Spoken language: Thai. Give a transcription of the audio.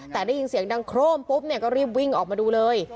แต่ได้ยินเสียงดังโครมปุ๊บเนี่ยก็รีบวิ่งออกมาดูเลย